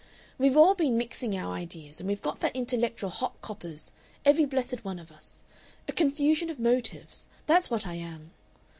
"We've all been mixing our ideas, and we've got intellectual hot coppers every blessed one of us.... "A confusion of motives that's what I am!...